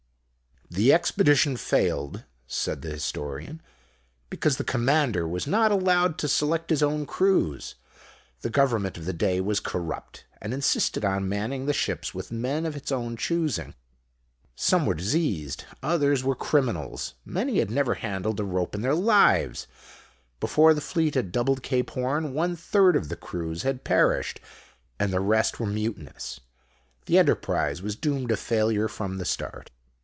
"The Expedition failed," said the Historian, "because the commander was not allowed to select his own crews. The Government of the day was corrupt, and insisted on manning the ships with men of its own choosing. Some were diseased; others were criminals; many had never handled a rope in their lives. Before the fleet had doubled Cape Horn one third of the crews had perished, and the rest were mutinous. The enterprise was doomed to failure from the start."